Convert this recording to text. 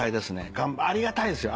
ありがたいですよ